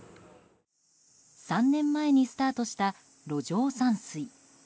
３年前にスタートした路上散水。